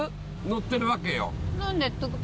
乗ってるわけよ。